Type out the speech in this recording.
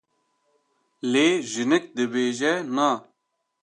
lê jinik dibêje Na!